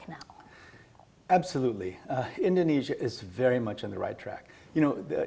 tentu saja indonesia sangat di jalan yang benar